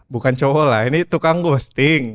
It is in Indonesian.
bukan cowok lah ini tukang ghosting